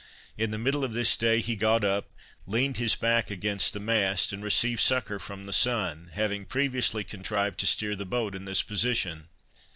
In the middle of this day he got up, leaned his back against the mast, and received succour from the sun, having previously contrived to steer the boat in this position.